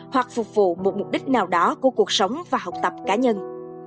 hoặc phục vụ một mục đích nào đó của cuộc sống và học tập cá nhân